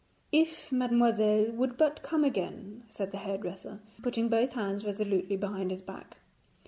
'If mademoiselle would but come again,' said the hairdresser, putting both hands resolutely behind his back.